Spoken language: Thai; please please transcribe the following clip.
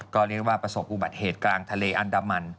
ก็เรียกว่าประสบอุบัติเหตุกลางทะเลอันดามัน